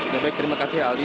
ya baik terima kasih aldi